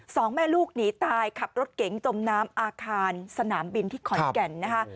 สองแม่ลูกหนีตายขับรถเก๋งจมน้ำอาคารสนามบินที่ขอนแก่นนะคะ